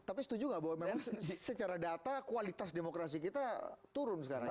tapi setuju nggak bahwa memang secara data kualitas demokrasi kita turun sekarang